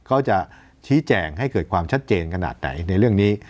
เขาจะชี้แจงให้เกิดความชัดเจนขนาดไหนในเรื่องนี้